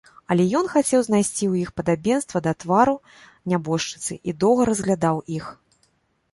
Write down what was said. Але ён хацеў знайсці ў іх падабенства да твару нябожчыцы і доўга разглядаў іх.